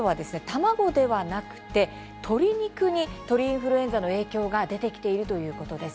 卵ではなくて鶏肉に鳥インフルエンザの影響が出てきているということです。